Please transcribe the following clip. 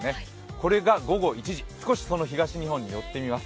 これが午後１時、少し東日本に寄ってみます。